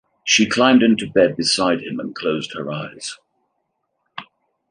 She climbed into bed beside him and closed her eyes.